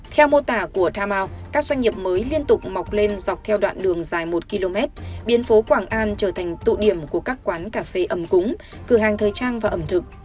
theo mô tả của thao các doanh nghiệp mới liên tục mọc lên dọc theo đoạn đường dài một km biến phố quảng an trở thành tụ điểm của các quán cà phê ấm cúng cửa hàng thời trang và ẩm thực